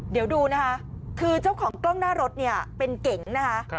เดี๋ยวดูนะคะคือเจ้าของกล้องหน้ารถเนี่ยเป็นเก๋งนะคะ